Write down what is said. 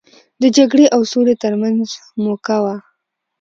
د جګړې او سولې ترمنځ موکه وه.